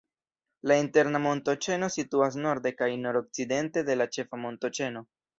La Interna montoĉeno situas norde kaj nord-okcidente de la Ĉefa montoĉeno.